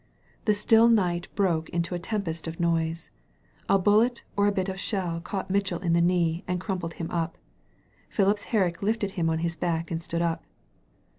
The still night broke into a tempest of noise. A bullet or a bit of shell caught Mitchell in the knee and crumpled him up. Phipps Herriek lifted him on his back and stood up.